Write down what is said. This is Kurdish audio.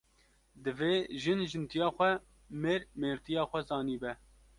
Divê jin jintiya xwe, mêr mêrtiya xwe zanî be